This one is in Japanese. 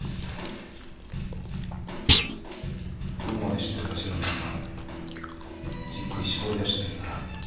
どこまで知ってるか知らんがじっくり絞りだしてみるんだな。